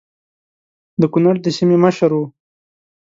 د کنړ د سیمې مشر وو.